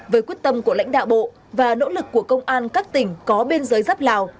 với quyết tâm của lãnh đạo bộ và nỗ lực của công an các tỉnh có biên giới giáp lào